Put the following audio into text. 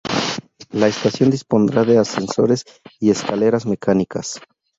La estación dispondrá de ascensores y escaleras mecánicas.